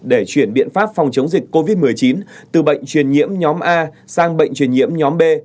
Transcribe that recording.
để chuyển biện pháp phòng chống dịch covid một mươi chín từ bệnh truyền nhiễm nhóm a sang bệnh truyền nhiễm nhóm b